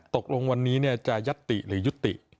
ตกลงวันนี้จะยัตติหรือยุติ